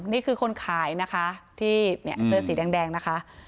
นี่คือคนขายนะคะที่เสื้อสีแดงนะคะ